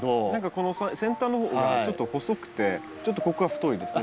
この先端の方がちょっと細くてちょっとここが太いですね。